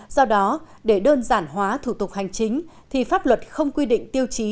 do đó để đơn giản hóa thủ tục hành chính thì pháp luật không quy định tiêu chí